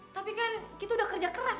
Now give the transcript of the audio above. tapi kan kita udah kerja keras